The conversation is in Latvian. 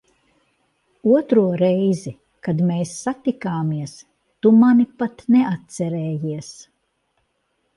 Otro reizi, kad mēs satikāmies, tu mani pat neatcerējies.